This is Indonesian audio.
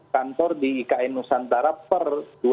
kantor di ikn nusantara per dua ribu dua puluh empat